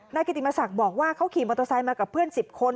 กิติมศักดิ์บอกว่าเขาขี่มอเตอร์ไซค์มากับเพื่อน๑๐คน